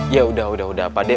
ya udah pak de